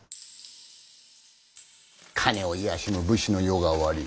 金を卑しむ武士の世が終わり